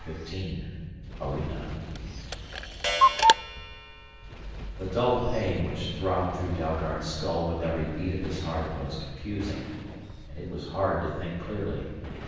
15 ARENA The dull pain which throbbed through Dalgard's skull with every beat of his heart was confusing, and it was hard to think clearly.